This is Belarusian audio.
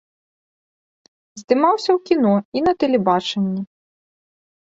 Здымаўся ў кіно і на тэлебачанні.